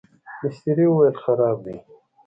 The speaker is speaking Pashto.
مستري وویل خراب دی.